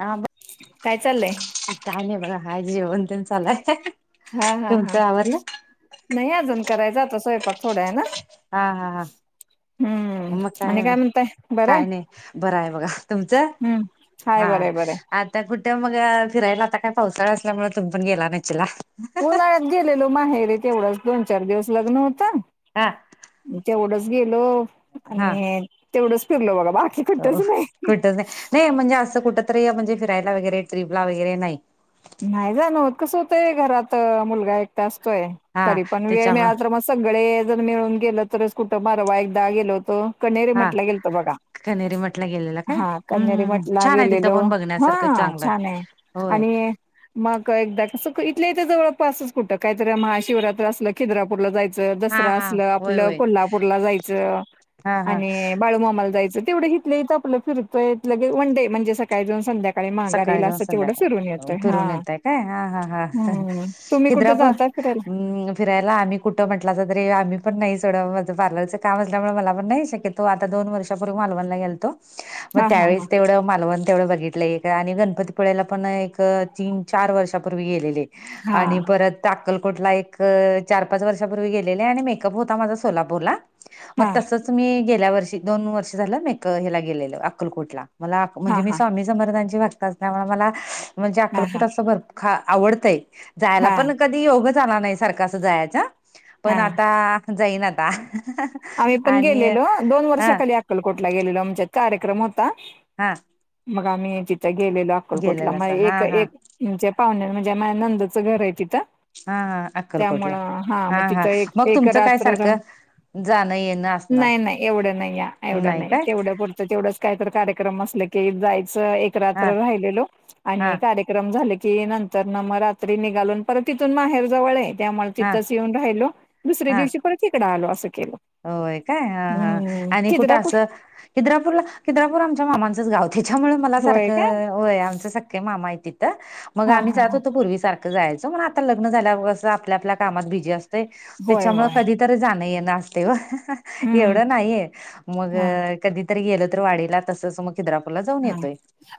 हा काय चाललंय? काय नाही बघा हाय जेवन तेन चालूय. हा हा हा तुमचं आवरलं नाही अजून करायचं आता स्वयंपाक थोड्या वेळानं. हा हा हा. मग आणि काय, म्हणताय बरं आहे काय नाही बरं आहे बघा तुमचं? हम्म हा हाय बरंय बरंय आता कुठे मग फिरायला आता काय पावसाळा असल्यामुळे मग तुम्ही पण गेला नशीला? उन्हाळ्यात गेलेलो माहेरी तेवढंच दोन चार दिवस लग्न होत. हां. तेेवढच गेलो हा आणि तेवढच फिरलो बघा बाकी हो कुठ नाही, नाही म्हणजे असं कुठ तरी म्हणजे फिरायला वगैरे ट्रिपला वगैरे नाही? नाही जाण व्हत कसं होतय घरात मुलगा एकटा असतोय हा तरी पण वेळ त्याच्यामुळं मिळाला तर मग सगळे जण मिळून गेल तरच कुठं परवा एकदा गेलो होतो कनेरीे हा मठला गेलतो बघा. कनेरी मठला गेलेला काय हा कनेरी हम्म मठला छान आहे तिथं गेलेलो, पण बघण्यासारखं हा चांगलं आहे छानय होय आणि मग एकदा कसं इथल्या इथेच जवळपासच कुठं काहीतरी महाशिवरात्र असलं खिद्रापूरला जाय च हा दसरा हा असलं होय आपलं होय कोल्हापूरला जायचं. हा हा आणि बाळूमामाला जायचं तेवढं हि इथल्या इथ आपलं फिरतोय लगेच वंडे म्हणजे सकाळी जाऊन संध्याकाळी सकाळी माघारीला जाऊन असं तेवढं संध्याकाळी. फिरून येतोय हा फिरून येताय काय हा हा हा हम्म तुम्ही कुठे खिद्रापूर जाता फिरायला फिरायला आनि कुठं म्हटलासा तरी आम्ही पण नाही सोडा माझं पार्लर च काम असल्यामुळे मला पण नाही शक्य तो आता दोन वर्षापूर्वी मालवणला गेलतो मग हा हा त्यावेळेस तेवढं मालवण तेवढं बघितलंय आणि गणपती पुळ्याला पण एक तीन चार वर्षापूर्वी गेलेले आणि हा परत त्या अक्कलकोटला एक चार पाच वर्षापूर्वी गेलेले आणि मेक-अप होता माझा सोलापूरला मग हा तसच मी गेल्या वर्षी दोन वर्ष झालं मेक हेला गेलेलं अक्कलकोटला. मला हा म्हणजे मी हा स्वामी समर्थांची भक्त असल्यामुळे मला म्हणजे हा हा अक्कलकोट असं भर खा आवडतंय जायला हा पण कधी योगच आला नाही सारखं अस जायाचा. पण हा आता जाईन आता आम्हीपण आणि गेलेलो, दोन हा वर्षाखाली अक्कलकोटला गेलेलो, आमच्यात कार्यक्रम होता. हा. मग आम्ही तिथं गेलेलो अक्कलकोटला गेलेला अस मग हा एक हा म्हणजे पाहुणे म्हणजे माया नंदचं घर आहे तिथं. हा हा अक्कलकोटला त्यामुळं हा मग हा तिथं एक मग, एक तुमच काय रात्र राहून सारखं जाणं येणं? असणार नाही नाही एवढं नाही या एवढं नाही तेवढं पुरत तेवढच काही तर कार्यक्रम असल की, जायचं एक हा रात्र राहिलेलो हा आणि कार्य क्रम झाले की, नंतर ना मग रात्री निघालो, परत तिथून माहेर जवळ आहे. त्यामुळे हा तिथंच येऊन राहिलो. दुसऱ्या हा दिवशी परत इकडं आलो असं केलो. होय काय? हा हा, आणि कुठं खिद्रापूर असं खिद्रापूरला? खिद्रापूर आमच्या मामांचंच गाव. त्याच्यामुळे मला होय का सारखं, होय, आमचं सख्खे मामा आहे तिथं. मग हा आम्ही हा जात होतो पूर्वी सारखं जायचो, पण आता लग्न झाल्यावर कस आपल्या आपल्या कामात बिझी असतंय. होय त्याच्यामुळं होय कधी तर जाणं येणं असतय ओ हम्म एवढं नाहीये, मग हा कधीतरी गेलो तर वाडीला तसं मग खिद्रापूरला जाऊन हा येतोय.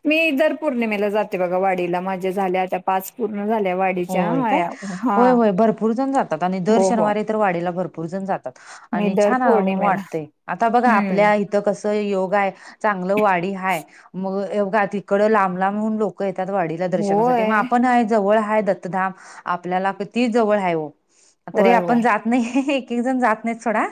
मी दर पौर्णिमेला जाते बघा वाडीला. माझ्या झाल्या आता पाच पूर्ण झाल्या वाडी होय काय? च्या [unintelligible] होय होय भरपूर जण जातात आणि दर हो शनिवारी तर वाडीला भरपूर जण जातात. मी आणि दर छान पौर्णिमेला वाटते. आता बघा हम्म आपल्या इथं कस योगा हाय, चांगलं वाडी हाय. मग या त इकडं लांब लांबून लोकं येतात वाडीला दर्शनासाठी, होय मग आपण हाय जवळ हाय आपल्याला किती जवळ हाय हो तरी होय होय आपण जात नाही एक एक जण जात नाही सोडा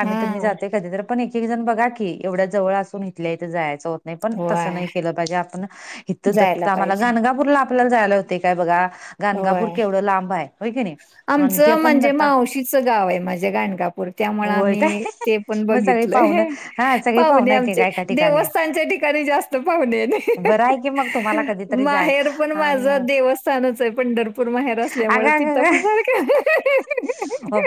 आम्ही तुम्ही हम्म जाते कधी तर पण एक एक जण बघा की, एवढ्या जवळ असून इथल्या इथे जायचं होतं नाही पण तसं होय नाही केलं पाहिजे. आपण इथं जायला दत्त आम्हाला पाहिजे गाणगापूरला आपल्याला जायला होते काय बघा, गाणगापूर होय केवढं लांब आहे होय की नाही. आणि ते आमचं पण म्हणजे आता मावशीचं गाव आहे माझ्या गाणगापूर त्यामुळे होय काय आम्ही ते पण मग सगळी पाहुणं बघितलंय. हा सगळी पाहुणे पाहुणं येते आमचे का एका ठिकाणी देवस्थानच्या ठिकाणी जास्त पाहुणे आहेत. बरं आहे की मग तुम्हाला कधीतरी माहेर पण जायला माझ आणि देव स्थानच आहे. पंढरपूर माहेर असल्यामुळ अग तिथे अग पण सारा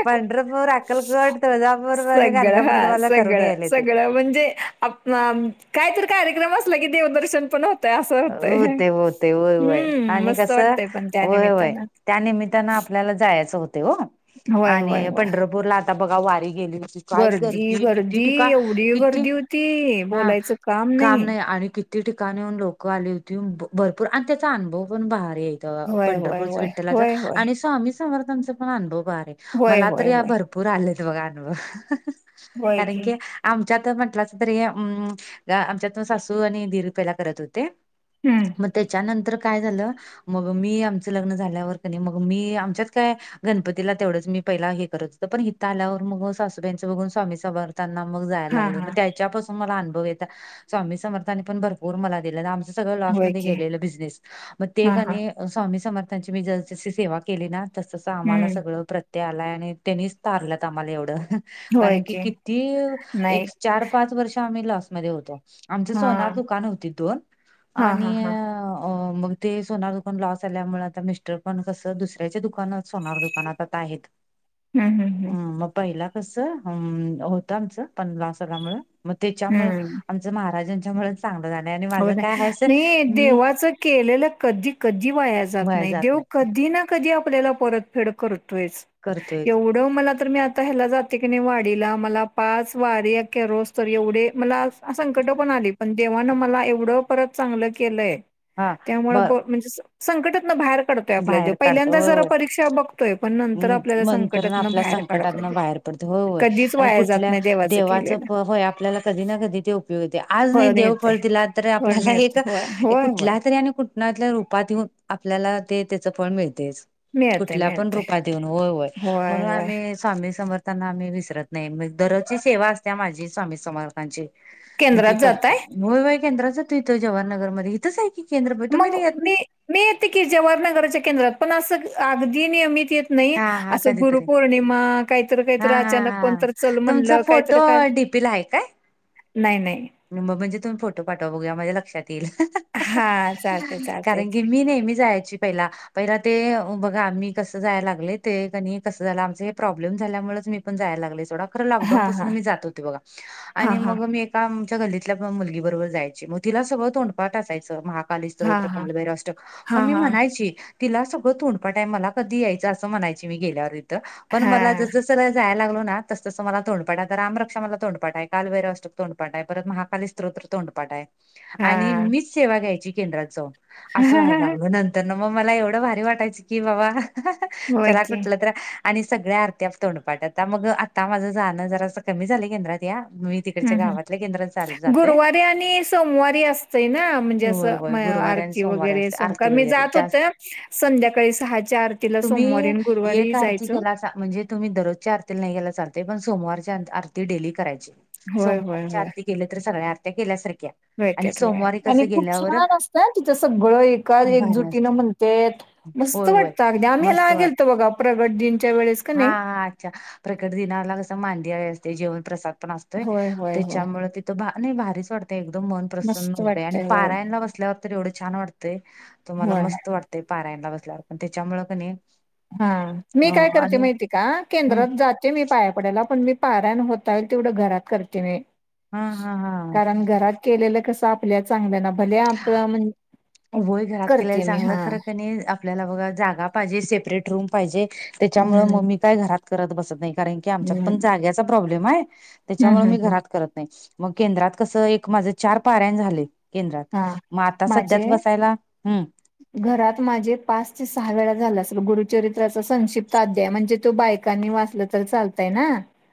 पंढरपूर अक्कलकोट तुळजापूर आणि सगळं गाणगापूर हा तुम्हाला करून सगळं यायला ते सगळं म्हणजे आपलं काय तर कार्यक्रम असल की, देवदर्शन पण तर असं होतय. होते होते होय होय हं, आणि मस्त कसं वाटतंय पण त्या होय होय निमित्तानं. त्या निमित्तानं आपल्याला जायचं होते हो होय होय आणि होय. पंढरपूरला आता बघा वारी गेली होती काय गर्दी? किती ठिकाणी किती हा काम नाही आणि कि ती ठिकाणी हुन लोकं आली होती. भरपूर आणि त्याचा अनुभव पण भारीय. होय होय पंढरपूरच होय विठ्ठलाच होय होय आणि स्वामी समर्थांचा पण अनुभव भारीय. होय मला होय तरी या होय भरपूर आलेत बघा अनुभव. कारण की आमच्यात म्हंटलंच तरी अ आमच्यात सासू आणि दीर पाहिला करत होते. हम्म. मग त्याच्यानंतर काय झालं, मग मी आमचं लग्न झाल्यावर क ने मग मी आमच्यात काय गणपतीला तेवढंच मी पहिला हे करत होतं, पण हित आल्यावर मग सासूबाईंचं बघून स्वामी समर्थ ना मग जायला हा लागले. हा त्याच्यापासून मला अनुभव येता. स्वामी समर्थानी भरपूर मला दिलय. आम सगळ लॉस् होय मध्ये की गेलेला बिझनेस. मग ते हा हा कनी स्वामी समर्थांची मी जसं जशी सेवा केली ना तस आम्हाला हम्म सगळं प्रत्यय आलाय, आणि त्यांनीच तारल्यात आम्हाला एवढं. कारण की किती नाही एक चार-पाच वर्ष आम्ही लॉसमध्ये होतो. आमची हा सोनार दुकान होती दोन. हा आणि [inaudible] अ मग ते सोनार दुकान लॉस झाल्यामुळे, आता मिस्टर पण कसं दुसऱ्याच्या दुकानात सोनार दुकानात आता आहेत. [inaudible] हम्म मग पहिलं कसं हं होतं आमचं, पण लॉस झाल्यामुळ मग त्याच्यामुळे हम्म आमच महाराजांच्यामुळे चांगलं झालं. आणि हो माझं काय नाही. आहे असं नाही मी देवाचं केलेलं कधी कधी वाया जात नाही, देव कधी ना कधी आपल्याला परतफेड करतोय. करतोय. एवढ मला तर मी आता ह्याला जाते की नाही वाडीला, मला पाच वाऱ्या करोस्तवर एवढे मला संकट पण आली. पण देवान मला एवढं परत चांगलं केलंय. हा त्यामुळे बर म्हणजे संकटात न बाहेर पडतय आपल्या तो. बाहेर काढतो पहिल्यांदा होय जरा होय परीक्षा बघतोय. तोय, पण नंतर आपल्याला ना संकटातन आपल्या बाहेर संकटातन काढतोय, बाहेर पडते होय होय कधीच आणि वाया जात कुठल्या नाही देवाचं केलेलं. होय आपल्याला कधी ना कधी ते उपयोग येतय. आज नाही देव फळ दिला तर मग तर फळ आपल्याला एक मिळतंय होय होय होय कुठला तरी आणि कुट् टल्या तर रूपात येऊन, आपल्याला ते त्याच फळ मिळतय. मिळतंय मिळतय. देऊन हो होय, म्हणून आमी स्वामी र्समर्थांना आम्ही विसरत नाई. मी दररोजची सेवा असत्या माझी स्वामी समर्थ ची मी केंद्रात ती जाताय करतोय. होय होय केंद्रात जातोय इथ जवाहरनगरमधी. इथच हाय की केंद्र पण मग तुम्ही नाई येत. मी मी येते की जवाहर नगराच्या केंद्रात, पण असं अगदी नियमित येत नई हा हा असं कधीतरी गुरुपौर्णिमा, काईतर हा काईतर हा अचानक कोणतर चल म्हणलं काईतरी काय पिल हाय. नाय नाय. मग म्हणजे तुम्ही फोटो पाठवा बघूया, माझ्या लक्षात येईल. हां, चालतंय, चालतंय कारण की मी नेहमी जायाची पहिला. पहिला ते बघा आम्ही कसं जाया लागले, ते कनी कसं झालं आमच हे प्रॉब्लेम झाल्यामुळच मी पण जाया लागले सोडा, खरं लॉकडाऊन हां, पासन हां. मी जात होती बघा. हां, आणि हां. मग मी एका गल्लीतल्या मुलगी बरोबर जायची. मग तिला सगळ तोंडपाठ असायचं, महा हां, कालीस्तोत्र, हां. कालभैरवाष्टक मग मी हां, म्हणायची. तिला सगळं तोंडपाटाय, मला कधी यायचं असं म्हणायची मी गेल्यावर तिथं. पण मला हां. जसं जाय लागलो ना तसं तसं मला तोंडपाठ हाय. आता रामरक्षा मला तोंडपाठाय. कालभैरवाष्टक तोंडपाठाय. परत महाकालीस्रोत्र तोंडपाठाय. हां, आणि हां. मीच सेवा घ्यायची केंद्रात जाऊन. असं व्हाय लागल, नंतर न मग मला एवढं भारी वाटायच, की बाबा होय चला की. कुटलं तर आणि सगळ्या आरत्या तोंडपाटायत. मग आता माझं जाणं जरासं कमी झालंय केंद्रात या, मी हं, तिकडच्या हं. गावात गुरुवारी आणि सोमवारी असतय ना, म्हणजे होय असं होय मग गुरुवारी आणि आरती सोमवारी वगैरे असते तेन आरती कारण मी वगैरे जात होते. जास्त संध्याकाळी सहाच्या आरतीला सोमवारी तुम्ही अन् गुरुवारी एक आरती जायचं. केलासा म्हणजे तुम्ही दरोजच्या आरतीला नाई गेला चालतय. पण सोमवारची आर् आरती डेली करायची. होय, सोमवार होय, केलं तर सगळ्या आरत्या केल्या-सारख्या आणि भेटत व्हय. सोमवारी आणि कसं खूप गेल्यावर छान असतं अं तिथं सगळं एका भारी एकजुटीनं असते म्ह तेत मस्त होय होय वाटत अगदी आम्ही मस्त हयाला वाट गेलतो, बघा प्रगट दिनच्या वेळेस का हा नाई हा अच्छा प्रकट दिनाला कसं मांदियाळी असते, जेवण प्रसाद पण असतोय. होय होय होय. पळ तिथं भा नई भारीच वाटते, एकदम मन प्रसन्न मस्त होतय आणि वाटतंय होय पारायनला बसल्यावर तर एवढं छान वाटतंय, तुम्हाला होय मस्त वाटतंय, पारायणला बसल्यावर पण त्याच्यामुळं क नी हा, मी काय करते माहिती का? हम्म केंद्रात जात ते मी पाया पडायला, पण मी पारायण होता-ये तेवढं घरात करते मी. हा हा कारण घरात केलेलं कस आ पल्या चांगल्या ना भल्या हा आपल्या म्हण, होय घरात केलेलं करते मी चांगलं हा. खरं कणी आपल्याला बघा जागा पाहिजे, सेपरेट रूम पाहिजे, त्याच्यामुळ मग हम्म मी काय घरात करत बसत नाई. कारण की आमच्यात हम्म पण जाग्याचा प्रॉब्लेम हाय, त्याच्यामुळं हम्म मी हम्म हम्म घरात करत नाई. मग केंद्रात कसं, एक माझं चार पारायन झाले केंद्रात, हा म आता माझे सध्यात बसायला हम्म. घरात माझे पाच ते सहा वेळा झाला असेल, गुरुचरित्राचा संक्षिप्त अध्याय म्हणजे तो बाय कांनी वाचलं तरी चालतंय ना,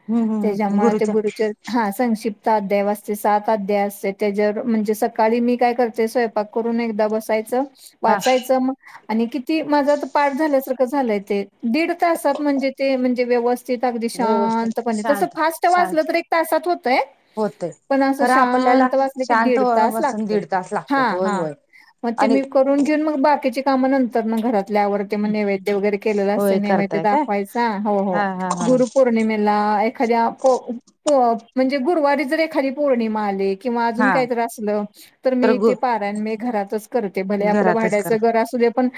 हम्म हम्म हम्म. त्याच्यामुळं ते गुरुच्या गुरुचरी हां संक्षिप्त अध्याय वाचते, सात अध्याय असते त्याज्यावर म्हणजे सकाळी मी काय करते, स्वयपाक करून एकदा बस सायचं हा वाचायचं म आणि किती माझं आता पाठ झाल्या-सारखं झालंय ते दीड तासात म्हणजे ते म्हणजे व्यव स्तित अगदी व्यवस्थित शांतपणे तसं शांत फास्ट वाचलं शांत तर एक तासात होतय होतय पण असं खरं आपल्याला शांत वाचलं की, शांत दिड व- तास बसून लागतोय दीड तास हा- लागतात होय हा. होय मग ते आणि मी करून घेऊन मग बाकीचे काम नंतर मं घरात. तिला आवडते म्हणे नैवेद्य वगैरे केलेलं होय असं नैवेद्य करताय काय दाखवायचा हो- हो. हा हा हा गुरु पौ र्णिमेला एखाद्या पं- पं म्हणजे गुरुवारी जर एखादी पौर्णिमा आली किंवा अजून हा काहीतरी असलं तर मी तेे पारायन मी घरातच कर ते भले आपलं घरातच कर भाड्याचं घर असू दे, पण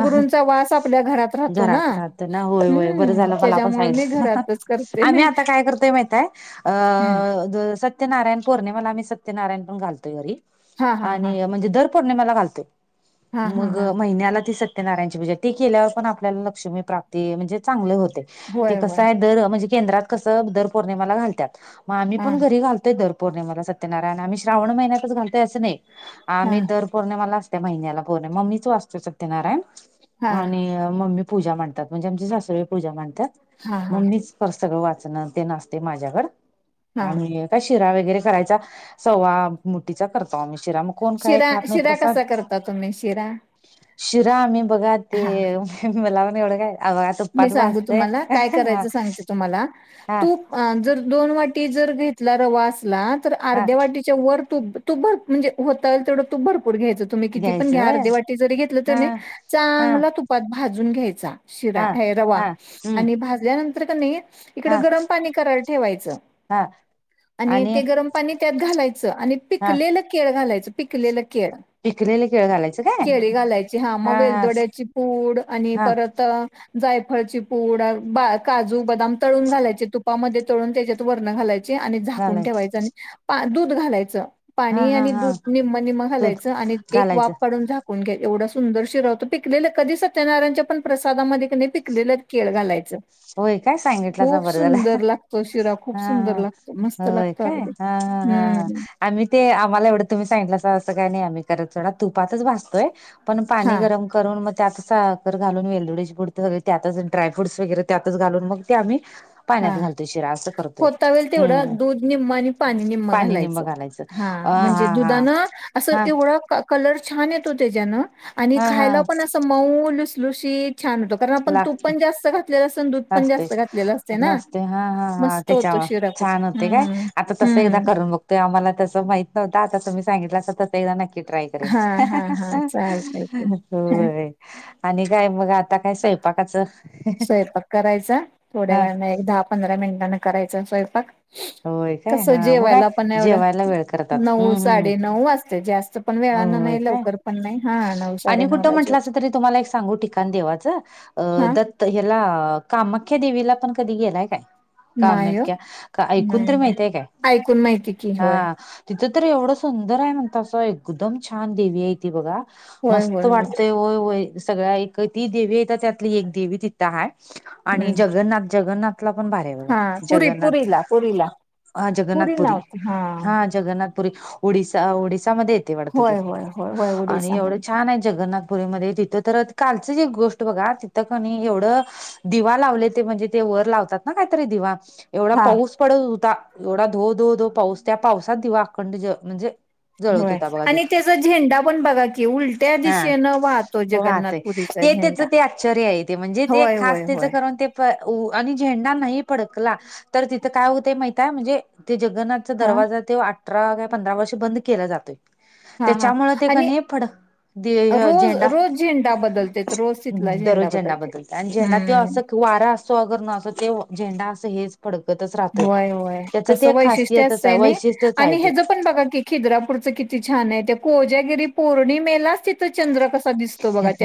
हा वास आपल्या घरात राहतो ना. त ना होय- होय बरं हम्म झालं, मला पण त्याच्यामुळे मी सांगितल. घरातच करते आम्ही हम्म आता काय करतोय माहितय अं [unintelligible] सत्यनारायण पौर्णिमाला आम्ही सत्यनारायण पण घालतोय घरी हा हा हा आणि म्हणजे दर पौर्णिमाला घालतोय. हा हा मग हा महिन्याला ती सत्यनारायची पूजा ती केल्यावर पण आपल्याला लक्ष्मी प्राप्ती म्हणजे चांगली होते, ते होय होय कसं आहे दर म्हजे केंद्रात कसं दर पौर्णिमाला घालत्यात, मग आम्ही हा पण घरी घालतोय दर पौर्णिमाला सत्यनारायण आम्ही श्रावण महिन्यात घालतोय असं नाही, हा आम्ही दर पौर्णिमाला त्या महिन्याला [unintelligible] मग मीच वाचते सत्यनारायण हा आणि मग मी पूजा मांडतात, म्हणजे आमचे सासरे पूजा मांडतात, हा मग हा मीच पर सगळं वाचणं ते सगळं ते नसते माझ्यावर हा आणि शिरा वगैरे करायचा, सवा मुठीचा परताळणी शिरा कोण काय शिरा खात नाही शिरा प्रसाद कसा करता तुम्ही शिरा शिरा आम्ही बघा हा ते, मला पण एवढं काय आ बघा मी तुप्पात सांगते भाजतय तुम्हाला काय हा करायचं सांगते तुम्हाला. हा तूप अ जर दोन वाटी जर घेतला रवा असला तर हा अर्ध्या वाटी चंवर तुप, तुप भा म्हणजे होता होईल तेवढं तुप भरपूर घ्यायचं. तुम्ही किती पण घ्यायचं घ्या, होय अर्धे वाटी जरी घेतलं हा तुम्हे चांगल तुपात भाजून घ्यायचा. शिरा हं. हे रवा आणि भाजल्यानंतर कणी हा इकडं गरम पाणी करायला ठेवायचं हा आणि ते गरम पाणी त्यात घालायचं आणि हा पिकलेलं केळ घालायचं पिकलेलं केळ पिकलेले केळ घालायचं काय केळी घालायची हा मग वेलदोड्याची पूड आणि हा परत जायफळची पूड काजू बदाम तळून घालायचे तुपामध्ये तळून त्याच्यात वरणं घालाय आणि झाकून घालायचं ठेवायच आणि पा दूध घालायचं हा पाणी हा आणि हा दूध निम्म निम्म दूध घालायचं आणि एक घालायचं वाफ काढून झाकू न एवढ सुंदर शिरा होतो पिकलेलं कधी सत्यनारायच्या पण प्रसादामध्ये पिकलेलं केळ घालायचं होय काय सांगितलासा खूप बरं झालं सुंदर लागतो शिरा खूप हा सुंदर लागतो हा मस्त होय लागतो काय अगदी हा हा हा हा हम्म आम्ही ते आम्हाला एवढं तुम्ही सांगितलासा असं काही नाही आम्ही करत सोडा तुपातच भाजतोय पण पाणी हा गरम करून मग त्यातच साखर घालून वेलदोडीची पूड ते सगळं त्यातच ड्रायफ्रुट्स वगैरे त्यातच घालून मग ते आम्ही पाण्यात हा घालतोय शिरा असं करतोय होता होईल हम्म तेवढं दूध निम्म आणि पाणी निम्म पाणी निम्म घालायचं. हा अ म्हणजे हा दुधानं असं हा एवढं कलर छान येतो त्याच्यान आणि हा खायला हा पण असं मऊ लसलुशीत छान होतो. कारण आपण तूप लागतय पण जास्त घातलेलं असत आणि दूध पण जास्त घातलेलं असतं म असते हा हा हा त्याच्यावर खूप छान होते काय हम्म आता तस एकदा हम्म कर मग ते आम्हाला तसं माहित नव्हत आता तुम्ही सांगितला अस एकदा नक्की ट्राय करीन हा हा हा चालतंय की हं होय आणि काय मग आता काय स्वयंपाकाचं स्वयंपाक करायचा थोड्या वेळानं एक दहा पंधरा मिनिटांने करायचा स्वयंपाक होय काय कसं हा मग काय जेवायला पण एवढं जेवायला वेळ करतात नऊ हम्म हम्म साडेनऊ वाजते जास्त पण वेळानं होय नाही काय लवकर पण नाही हा नऊ आणि साडेनऊ कुठं ला म्हटलासा जेवतो तरी तुम्हाला एक सांगू ठिकाण देवाचं अ हा दत्त ह्याला कामाख्या देवीला पण कधी गेलाय काय? नाही ओ कामाख्या का ऐकून नाही तरी नाही माहितिये काय? ऐकून माहिती की होय हा तिथं तर एवढं सुंदर आहे म्हणतासा एकदम छान देवी आहे ती बघा होय होय मस्त वाटतय होय होय सगळ्या एक ती देवी येत्या त्यातली एक देवी तिथं थं हाय आणि हम्म जगन्नाथ जगन्नाथला पण भारी हाय हा बघा पुरी जगन्नाथ पुरीला पुरीला हा पुरी जगन्नाथपुरी नव्हती हा जगन्नाथपुरी ओडिसा ओडिसामध्ये ये वाटत ते होय होय होय होय आणि एवढं उडीसामध्ये छान आहे जगन्नाथ पुरीमध्ये तिथं तर कालचं एक गोष्ट बघा तिथं कणी एवढं दिवा लावले ते म्हणजे ते वर लावतात ना काहीतरी दिवा एवढा हा पाऊस पडत होता एवढा धो धो धो पाऊस त्या पावसात दिवा अखंड ज म्हणजे जळत होय होता बघा आणि दिव त्याचा झेंडा पण बघा की उलट्या दिशेनं वाहतो जगन्नाथ हे त्याचं ते आश्चर्य आहे ते म्हणजे ते होय खास होय त्याचं होय कारण ते आणि झेंडा नाही फडकला तर तिथं काय होतय माहिताय म्हणजे ते जगन्नाथ हा दरवाजा ते अठरा काय पंधरा वर्ष बंद केला जातोय हा हा त्यांच्यामुळे ते आणि कनी फड रोज झेंडा रोज झेंडा बदलतेत रोज तिथला दररोज झेंडा बदलतेत बदलतोय आणि झेंडा ते हम्म असं त वारा असतो अगर न असत ते झेंडा असं हेच फडकतच राह होय कसं वैशिष्ट्य आहे असतंय नाही वैशिष्ट्यच आहे आणि हेच ते पण आणि हचं पण बघा की खिद्रापूरचं किती छान आहे त्या कोजागिरी पौर्णिमेलाच तिथं चंद्र कसा दिसतो बघा त्या